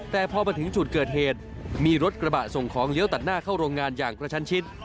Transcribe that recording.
แต่พอมาถึงจุดเกิดเหตุมีรถกระบะส่งของเลี้ยวตัดหน้าเข้าโรงงานอย่างกระชันชิด